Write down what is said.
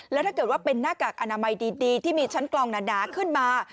แล้วถ้าเกิดว่าเป็นหน้ากากอนามัยดีที่มีชั้นกลองหนาขึ้นมา